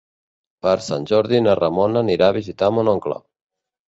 Per Sant Jordi na Ramona anirà a visitar mon oncle.